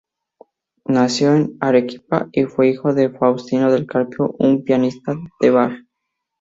Nació en Arequipa y fue hijo de Faustino del Carpio, un pianista de bar.